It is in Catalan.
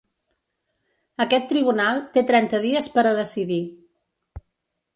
Aquest tribunal té trenta dies per a decidir.